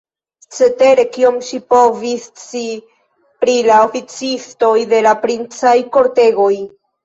Cetere, kion ŝi povis scii pri la oficistoj de la princaj kortegoj!